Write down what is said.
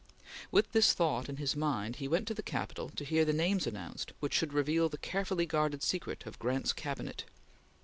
With this thought in his mind, he went to the Capitol to hear the names announced which should reveal the carefully guarded secret of Grant's Cabinet.